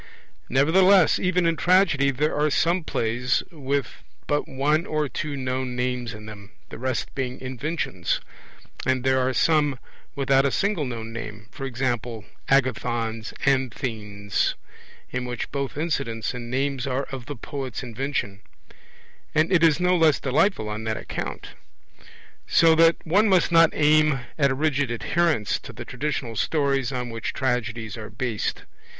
Nevertheless even in Tragedy there are some plays with but one or two known names in them, the rest being inventions; and there are some without a single known name, e.g. Agathon's Anthens, in which both incidents and names are of the poet's invention; and it is no less delightful on that account. So that one must not aim at a rigid adherence to the traditional stories on which tragedies are based.